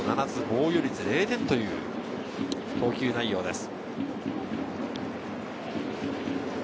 防御率０点という投球内容です。